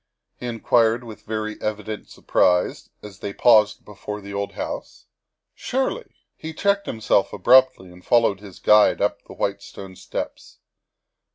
he inquired with very evident surprise as they paused before the old house. " Surely He checked himself abruptly and followed his guide up the white stone steps.